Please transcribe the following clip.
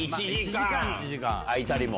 空いたりも。